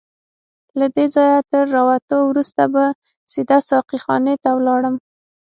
له دې ځایه تر راوتو وروسته به سیده ساقي خانې ته ولاړم.